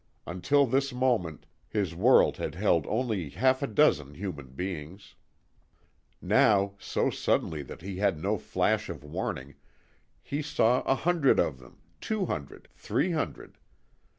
Until this moment his world had held only half a dozen human beings. Now, so suddenly that he had no flash of warning, he saw a hundred of them, two hundred, three hundred.